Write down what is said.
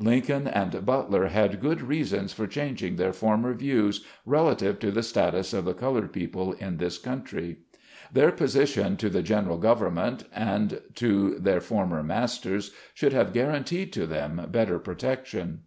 Lincoln and Butler had good reasons for chang RETROSPECT. 135 ing their former views relative to the status of the colored people in this country. Their position to the general government, and to their former masters, should have guaranteed to them better protection.